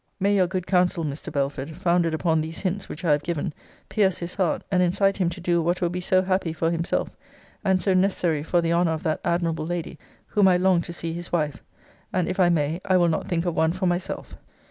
May your good counsel, Mr. Belford, founded upon these hints which I have given, pierce his heart, and incite him to do what will be so happy for himself, and so necessary for the honour of that admirable lady whom I long to see his wife; and, if I may, I will not think of one for myself.